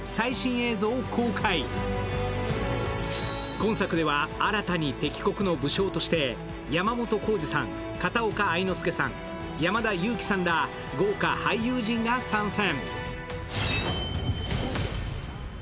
今作では、新たに敵国の武将として山本耕史さん、片岡愛之助さん、山田裕貴さんら豪華俳優陣が参戦。